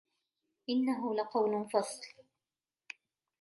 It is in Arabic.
إنه لقول فصل